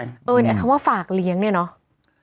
เออเนี่ยคำว่าฝากเลี้ยงเนี่ยเนอะ